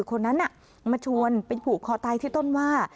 คนนั้นมาชวนไปผูกคอตายที่ต้นว่า